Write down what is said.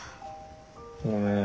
ごめん。